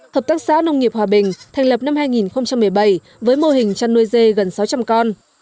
hợp tác xã nông nghiệp hòa bình thành lập năm hai nghìn một mươi bảy với mô hình chăn nuôi dê gần sáu trăm linh con